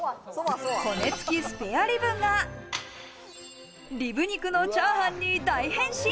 骨付きスペアリブがリブ肉のチャーハンに大変身。